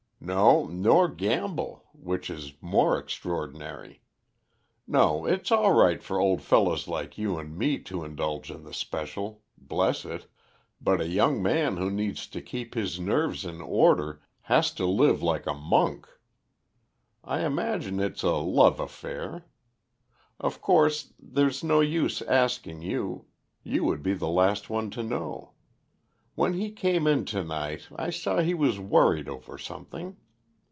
No, nor gamble, which is more extraordinary. No, it's all right for old fellows like you and me to indulge in the Special bless it but a young man who needs to keep his nerves in order, has to live like a monk. I imagine it's a love affair. Of course, there's no use asking you: you would be the last one to know. When he came in to night I saw he was worried over something.